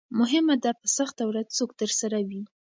مهمه ده په سخته ورځ څوک درسره وي.